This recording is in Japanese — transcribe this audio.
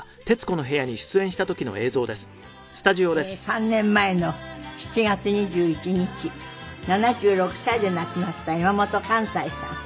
３年前の７月２１日７６歳で亡くなった山本寛斎さん。